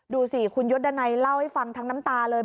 ดูสิคุณยศดันัยเล่าให้ฟังทั้งน้ำตาเลย